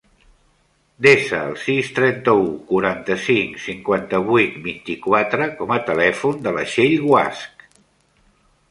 Desa el sis, trenta-u, quaranta-cinc, cinquanta-vuit, vint-i-quatre com a telèfon de la Txell Guasch.